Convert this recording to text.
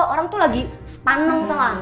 orang tuh lagi sepaneng tau lah